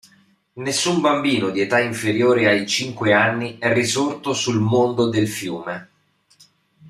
Nessun bambino di età inferiore ai cinque anni è risorto sul Mondo del Fiume.